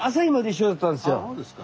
あそうですか。